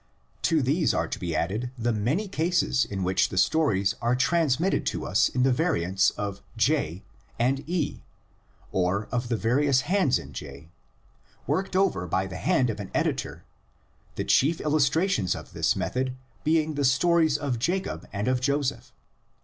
To these are to be added the many cases in which the stories are transmitted to us in the variants of J and E (or of the various hands in J) worked over by the hand of an editor; the chief illustrations of this method being the stories of Jacob and of Joseph.